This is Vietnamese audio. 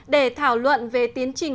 để thảo luận về tiến trình